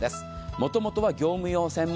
もともとは業務用専門。